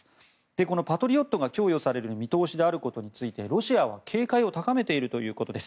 このパトリオットが供与される見通しであることについてロシアは警戒を高めているということです。